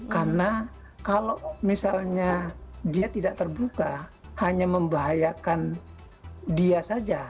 karena kalau misalnya dia tidak terbuka hanya membahayakan dia saja